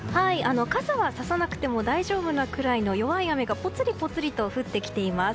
傘はささなくても大丈夫なくらいの弱い雨がポツリポツリと降ってきています。